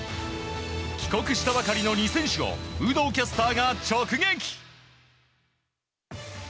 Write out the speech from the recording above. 帰国したばかりの２選手を有働キャスターが直撃。